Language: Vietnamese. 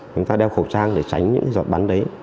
chúng ta đeo khẩu trang để tránh những giọt bắn đấy